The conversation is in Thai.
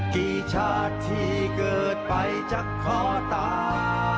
กี่ชาติที่เกิดไปจากขอตา